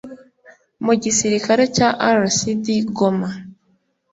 mugisirikare cya rcd goma